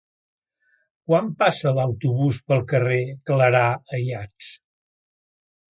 Quan passa l'autobús pel carrer Clarà Ayats?